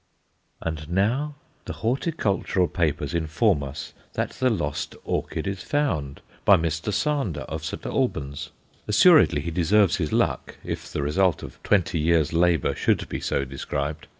And now the horticultural papers inform us that the lost orchid is found, by Mr. Sander of St. Albans. Assuredly he deserves his luck if the result of twenty years' labour should be so described.